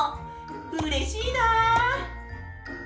うれしいな。